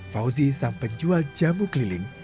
fauzi sang penjual jamu keliling